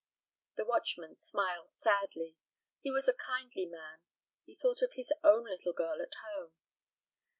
The watchman smiled sadly. He was a kindly man; he thought of his own little girl at home.